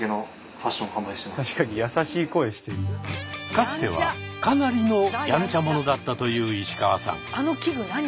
かつてはかなりのやんちゃ者だったという石川さん。